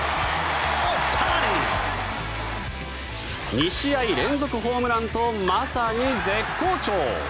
２試合連続ホームランとまさに絶好調。